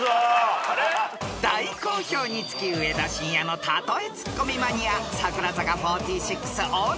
［大好評につき上田晋也の例えツッコミマニア］